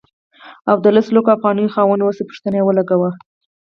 او د لسو لکو افغانیو خاوند اوسې پوښتنه یې وکړه.